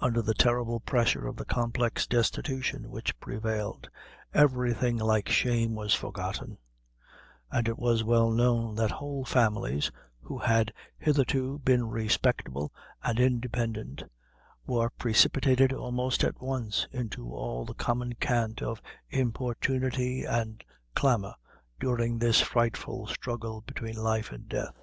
Under the terrible pressure of the complex destitution which prevailed, everything like shame was forgotten, and it was well known that whole families, who had hitherto been respectable and independent, were precipitated, almost at once, into all the common cant of importunity and clamor during this frightful struggle between life and death.